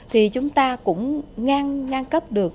thì chúng ta cũng ngang cấp được